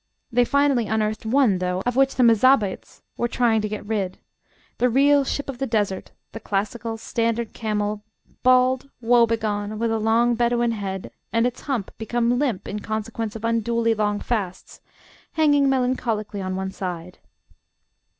They finally unearthed one, though, of which the M'zabites were trying to get rid the real ship of the desert, the classical, standard camel, bald, woe begone, with a long Bedouin head, and its hump, become limp in consequence of unduly long fasts, hanging melancholically on one side.